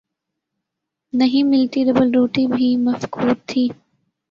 نہیں ملتی، ڈبل روٹی بھی مفقود تھی۔